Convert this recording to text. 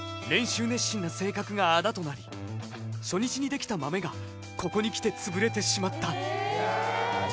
練習熱心な性格があだとなり初日にできたマメがここにきてつぶれてしまった。